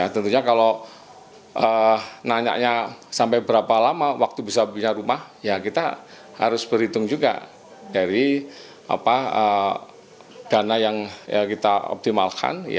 tentunya kalau nanya sampai berapa lama waktu bisa punya rumah ya kita harus berhitung juga dari dana yang kita optimalkan